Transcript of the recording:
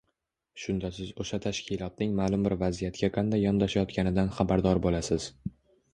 Shunda siz oʻsha tashkilotning maʼlum bir vaziyatga qanday yondashayotganidan xabardor bo'lasiz.